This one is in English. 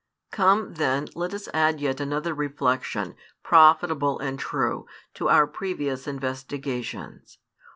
Come, then, let us add yet another reflection, profitable and true, to our previous investigations.